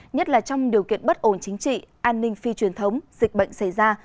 nhất là trong điều kiện bất ổn chính trị an ninh phi truyền thống dịch bệnh xảy ra